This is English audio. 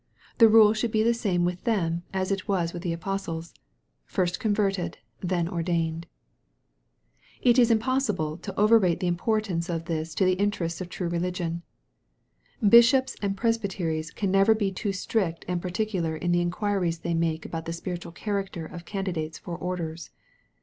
The rule should be the same with them as with the apostles " first converted, then ordained.' It is impossible to overrate the importance of this to the interests of true religion. Bishops and presbyteries can never be too strict and particular in the enquiries they make about the spiritual character of candidates for orders.